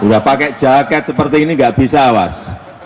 udah pakai jaket seperti ini enggak bisa was